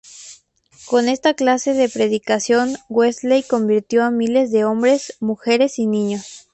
Con esta clase de predicación, Wesley convirtió a miles de hombres, mujeres y niños.